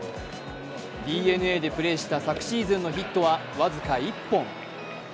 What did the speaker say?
ＤｅＮＡでプレーした昨シーズンのヒットは僅か１本。